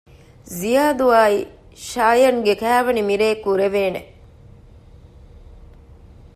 ޒިޔާދު އާއި ޝާޔަން ގެ ކައިވެނި މިރޭ ކުރެވޭނެ